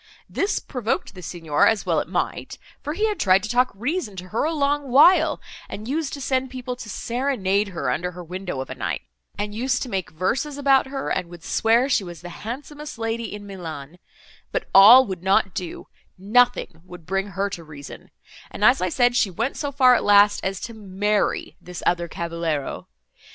This provoked the Signor, as well it might, for he had tried to talk reason to her a long while, and used to send people to serenade her, under her windows, of a night; and used to make verses about her, and would swear she was the handsomest lady in Milan—But all would not do—nothing would bring her to reason; and, as I said, she went so far at last, as to marry this other cavaliero.